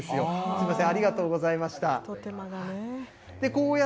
すみません、ありがとうございま一手間がね。